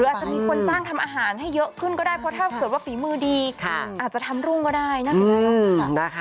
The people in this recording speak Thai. อาจจะมีคนจ้างทำอาหารให้เยอะขึ้นก็ได้เพราะถ้าเกิดว่าฝีมือดีอาจจะทำรุ่งก็ได้นะคะ